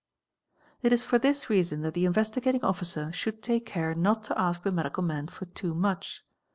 It is for this reason that the Investigating Officer should take care not to ask the medical man for too much.